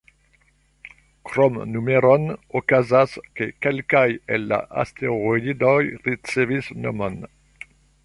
Krom numeron, okazas, ke kelkaj el la asteroidoj ricevis nomon.